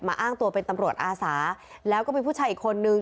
อ้างตัวเป็นตำรวจอาสาแล้วก็มีผู้ชายอีกคนนึง